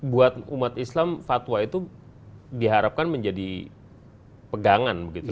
buat umat islam fatwa itu diharapkan menjadi pegangan begitu